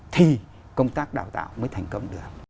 thì công tác đào tạo mới thành công được